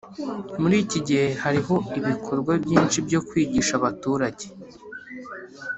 muri iki gihe hariho ibikorwa byinshi byo kwigisha abaturage